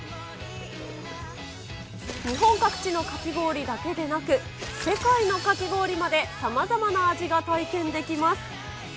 日本各地のかき氷だけでなく、世界のかき氷までさまざまな味が体験できます。